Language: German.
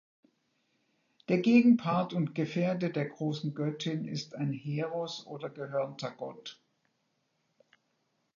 Der Gegenpart und Gefährte der Großen Göttin ist ein Heros oder Gehörnter Gott.